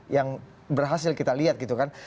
yang berhasil kita lihat gitu kan